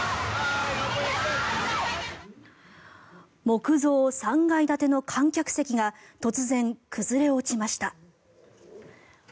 木造３階建ての観客席が突然、崩れ落ちました。